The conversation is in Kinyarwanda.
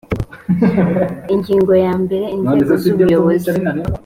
ingingo ya mbere inzego z ubuyobozi